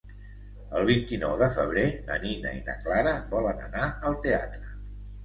El vint-i-nou de febrer na Nina i na Clara volen anar al teatre.